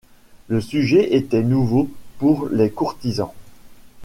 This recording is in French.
Le sujet était nouveau pour les courtisans.